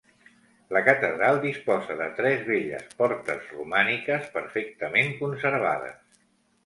La catedral disposa de tres belles portes romàniques perfectament conservades.